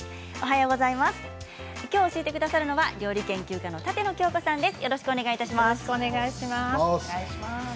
きょう教えてくださるのは料理研究家の舘野鏡子さんです。